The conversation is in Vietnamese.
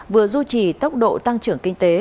vừa du trì tốc độ tăng trưởng kinh tế